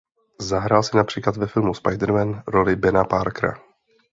Zahrál si například ve filmu "Spider Man" roli Bena Parkera.